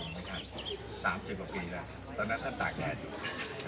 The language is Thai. อุ้งต้อนรับแล้วขอบโทษนะอุ้งต้อนรับแล้วขอบโทษนะ